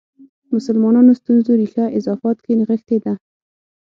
مسلمانانو ستونزو ریښه اضافات کې نغښې ده.